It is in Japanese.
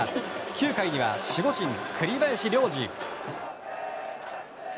９回には守護神、栗林良吏。